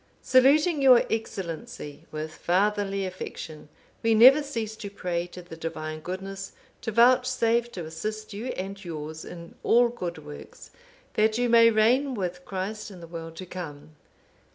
Saluting your Excellency with fatherly affection, we never cease to pray to the Divine Goodness, to vouchsafe to assist you and yours in all good works, that you may reign with Christ in the world to come.